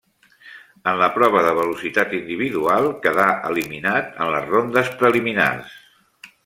En la prova de velocitat individual quedà eliminat en les rondes preliminars.